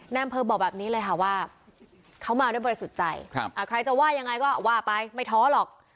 อำเภอบอกแบบนี้เลยค่ะว่าเขามาด้วยบริสุทธิ์ใจใครจะว่ายังไงก็ว่าไปไม่ท้อหรอก